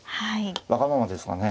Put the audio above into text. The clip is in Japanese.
わがままですかね。